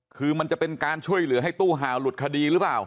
คือมันจะเป็นการช่วยเหลือให้ตู้ห่าวหลุดคดีหรือเปล่า